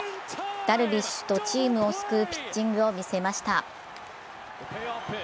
ダルビッシュとチームを救うピッチングを見せました。